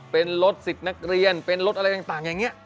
เป็นรถสิทธิ์นักเรียนเป็นรถอะไรต่างอย่างนี้